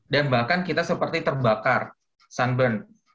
dan bahkan kita seperti terbakar sunburn